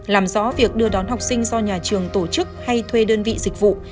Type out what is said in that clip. làm rõ việc đưa đón học sinh do nhà trường tổ chức hay thuê đơn vị dịch vụ